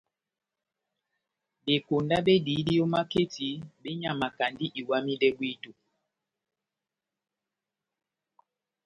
Bekonda bediyidi ó maketi benyamakandi iwamidɛ bwíto.